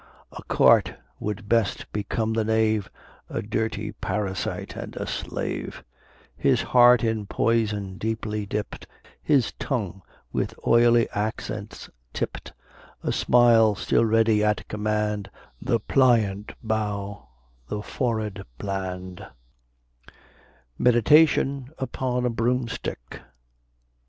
A cart would best become the knave, A dirty parasite and slave; His heart in poison deeply dipt, His tongue with oily accents tipt, A smile still ready at command, The pliant bow, the forehead bland MEDITATION UPON A BROOMSTICK.